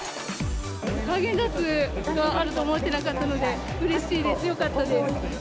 ハーゲンダッツがあると思ってなかったので、うれしいです、よかったです。